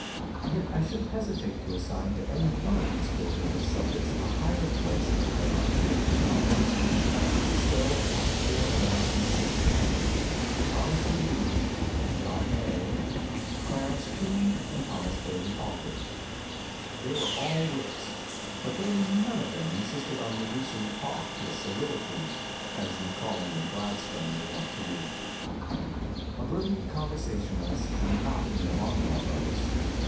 Yet I should hesitate to assign to any one of these four British subjects a higher place in the hierarchy of good talkers than I should bestow upon four American citizens, Thomas B. Reed and John Hay, Clarence King and Thomas Bailey Aldrich. They were all wits, but they none of them insisted on reducing talk to a soliloquy, as Macaulay and Gladstone were wont to do. A brilliant conversationalist can 158 CONCERNING CONVERSATION not be a monolog artist.